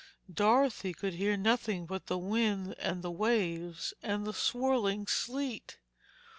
Dorothy could hear nothing but the wind and the waves and the swirling sleet.